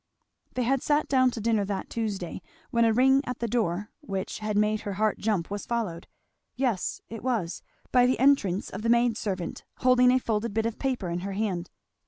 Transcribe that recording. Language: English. They had sat down to dinner that Tuesday, when a ring at the door which had made her heart jump was followed yes, it was, by the entrance of the maid servant holding a folded bit of paper in her hand.